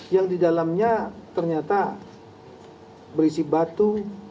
yang di dalamnya ternyata berisi batu